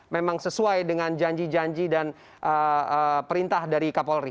memang sesuai dengan janji janji dan perintah dari kapolri